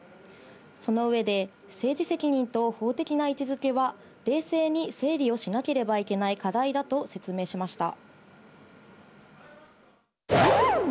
その上で、政治責任と法的な位置づけは冷静に整理をしなければいけない課題だと説明しました。